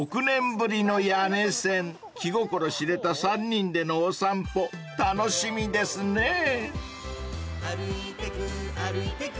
［６年ぶりの谷根千気心知れた３人でのお散歩楽しみですね］